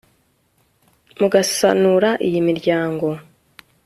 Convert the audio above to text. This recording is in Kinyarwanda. Mugasanura iyi miryango